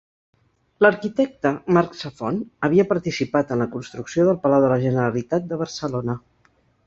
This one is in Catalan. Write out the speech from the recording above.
L’arquitecte, Marc Safont, havia participat en la construcció del Palau de la Generalitat de Barcelona.